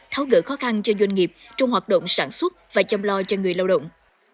tháo gỡ khó khăn cho doanh nghiệp trong hoạt động sản xuất và chăm lo cho người lao động